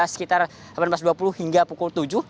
sekitar delapan belas dua puluh hingga pukul tujuh